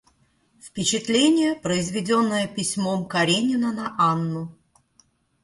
Впечатление, произведенное письмом Каренина на Анну.